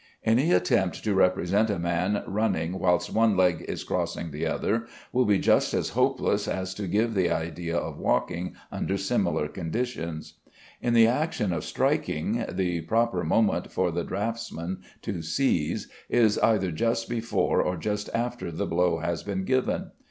Any attempt to represent a man running whilst one leg is crossing the other, will be just as hopeless as to give the idea of walking under similar conditions. In the action of striking, the proper moment for the draughtsman to seize is either just before or just after the blow has been given.